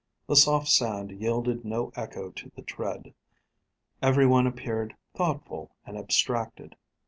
The soft sand yielded no echo to the tread. Every one appeared thoughtful and abstracted.